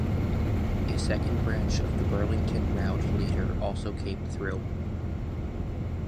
A second branch of the Burlington Route later also came through.